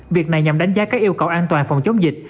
việc này nhằm đánh giá các yêu cầu an toàn phòng chống dịch